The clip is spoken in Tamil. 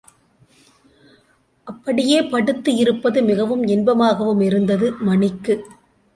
அப்படியே படுத்து இருப்பது மிகவும் இன்பமாகவும் இருந்தது மணிக்கு.